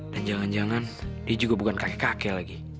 dan jangan jangan dia juga bukan kakek kakek lagi